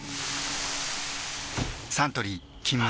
サントリー「金麦」